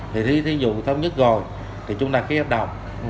thí dụ thấm nhất rồi thì chúng ta ký hợp đồng